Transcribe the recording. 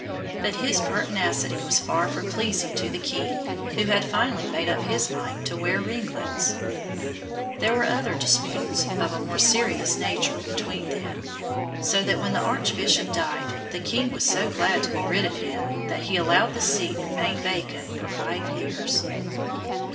But his pertinacity was far from pleasing to the king, who had finally made up his mind to wear ringlets. There were other disputes, of a more serious nature, between them; so that when the archbishop died, the king was so glad to be rid of him, that he allowed the see to remain vacant for five years.